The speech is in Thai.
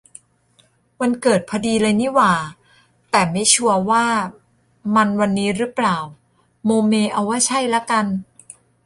วันเกิดพอดีเลยนี่หว่า แต่ไม่ชัวร์ว่ามันวันนี้รึเปล่า โมเมเอาว่าใช่ละกัน